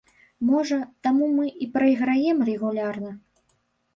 Можа, таму мы і прайграем рэгулярна?